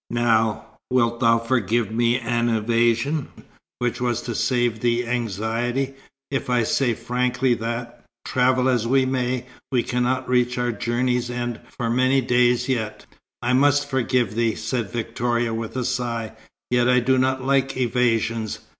Now, wilt thou forgive me an evasion, which was to save thee anxiety, if I say frankly that, travel as we may, we cannot reach our journey's end for many days yet?" "I must forgive thee," said Victoria, with a sigh. "Yet I do not like evasions.